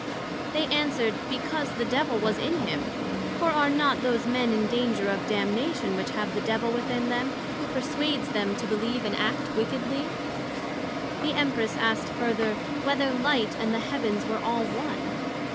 They answered, because the Devil was in him; for are not those men in danger of damnation which have the Devil within them, who perswades them to believe and act wickedly? The Empress asked further, Whether Light and the Heavens were all one?